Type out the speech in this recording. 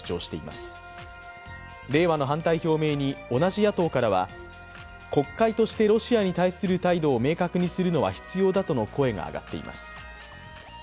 れいわの反対表明に同じ野党からは国会としてロシアに対する態度を明確にするのは必要だとの声が上がっています。